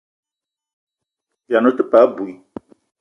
Vian ou te paa abui.